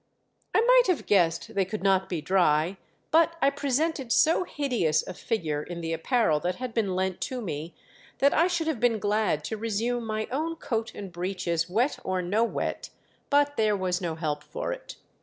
I might have guessed they could not be dry, but I presented so hideous a figure in the apparel that had been lent to me that I should have been glad to resume my own I06 THE DEATH SHIP. coat and breeches, wet or no wet ; but there was no help for it.